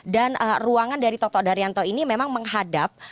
dan ruangan dari toto daryanto ini memang menghadap